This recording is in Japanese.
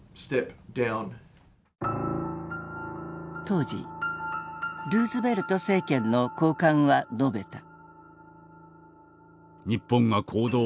当時ルーズベルト政権の高官は述べた。